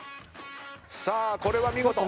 さあこれは見事。